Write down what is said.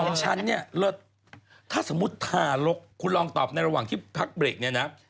ของฉันนี่ถ้าสมมุติทารกคุณลองตอบในระหว่างที่พักเบรกนี้นะ